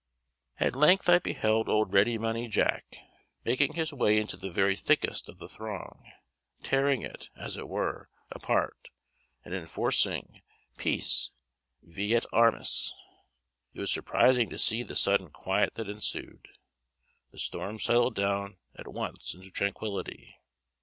At length I beheld old Ready Money Jack making his way into the very thickest of the throng; tearing it, as it were, apart, and enforcing peace vi et armis. It was surprising to see the sudden quiet that ensued. The storm settled down at once into tranquillity.